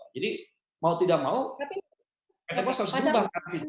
jadi mau tidak mau kita harus berubah